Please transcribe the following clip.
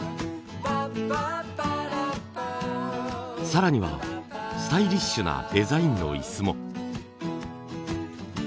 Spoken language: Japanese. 更にはスタイリッシュなデザインの椅子も。